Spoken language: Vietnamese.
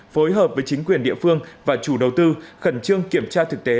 phối hợp với chính quyền địa phương và chủ đầu tư khẩn trương kiểm tra thực tế